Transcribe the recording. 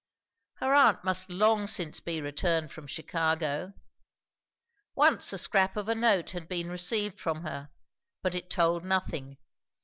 Her aunt must long since be returned from Chicago. Once a scrap of a note had been received from her, but it told nothing.